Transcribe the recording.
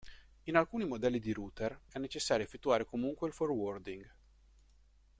In alcuni modelli di router è necessario effettuare comunque il forwarding.